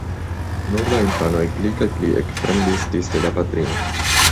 Nur la infanoj pli kaj pli ekfremdis disde la patrino.